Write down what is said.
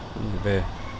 cũng phải về